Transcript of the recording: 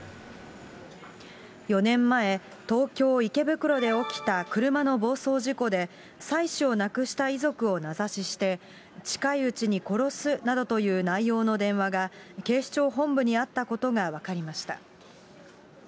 ４年前、東京・池袋で起きた車の暴走事故で、妻子を亡くした遺族を名指しして、近いうちに殺すなどという内容の電話が、警視庁本部にあったことが分かりました。